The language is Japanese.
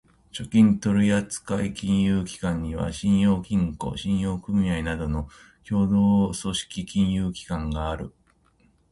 預金取扱金融機関には、信用金庫、信用組合などの協同組織金融機関がある。